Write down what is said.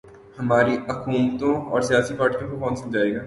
ہماری حکومتوں اور سیاسی پارٹیوں کو کون سمجھائے گا۔